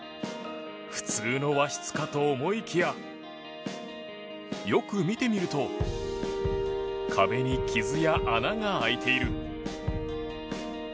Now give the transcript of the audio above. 普通の和室かと思いきやよく見てみると壁に傷や穴が開いている。